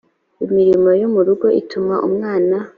imirimo yo mu rugo ituma umwana